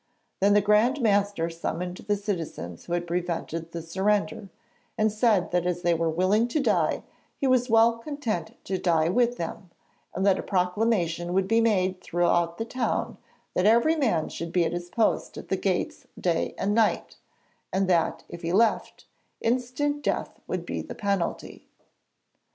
Then the Grand Master summoned the citizens who had prevented the surrender, and said that as they were willing to die he was well content to die with them, and that a proclamation would be made throughout the town that every man should be at his post at the gates day and night, and that, if he left, instant death would be the penalty.